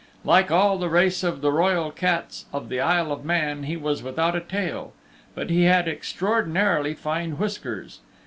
Like all the race of the Royal Cats of the Isle of Man he was without a tail. But he had extraordinarily fine whiskers.